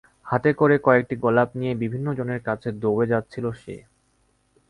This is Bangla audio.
হাতে করে কয়েকটি গোলাপ নিয়ে বিভিন্ন জনের কাছে দৌড়ে যাচ্ছিল সে।